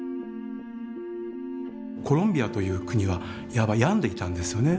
コロンビアという国はいわば病んでいたんですよね。